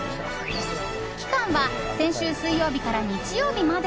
期間は先週水曜日から日曜日まで。